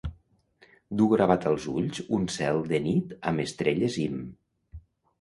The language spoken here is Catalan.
Du gravat als ulls un cel de nit amb estrelles imm